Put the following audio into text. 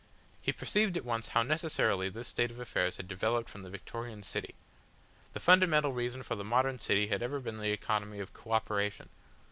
He perceived at once how necessarily this state of affairs had developed from the Victorian city. The fundamental reason for the modern city had ever been the economy of co operation.